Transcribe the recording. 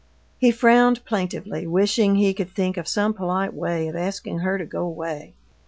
He frowned plaintively, wishing he could think of some polite way of asking her to go away.